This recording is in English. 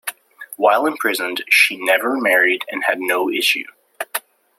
While imprisoned, she never married and had no issue.